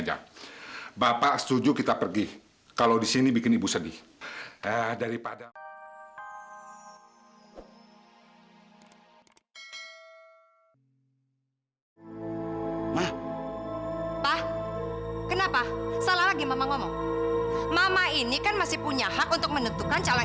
sampai jumpa di video selanjutnya